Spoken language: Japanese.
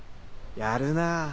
やるなぁ！